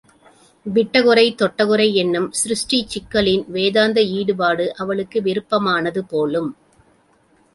விட்டகுறை தொட்டகுறையென்னும் சிருஷ்டிச்சிக்கலின் வேதாந்த ஈடுபாடு அவளுக்கு விருப்பமானது போலும்.